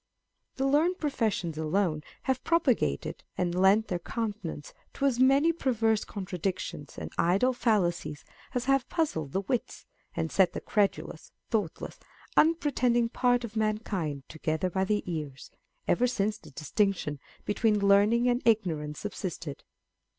The learned professions alone have propagated and lent their countenance to as many perverse contradictions and idle fallacies as have puzzled the wits, and set the credu lous, thoughtless, unpretending part of mankind together by the ears, ever since the distinction between learning and ignorance subsisted.